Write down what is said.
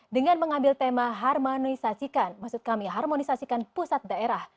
dengan mengambil tema harmonisasikan maksud kami harmonisasikan pusat daerah